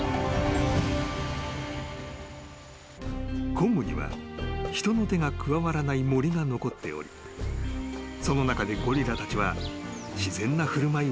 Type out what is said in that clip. ［コンゴには人の手が加わらない森が残っておりその中でゴリラたちは自然な振る舞いを見せてくれる］